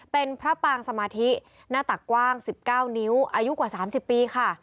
เป็นพระปางสมาธิหน้าตักกว้าง๑๙นิ้วอายุกว่า๓๐ปีค่ะ